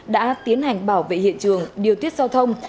đã tiến hành bảo vệ hiện trường điều tiết giao thông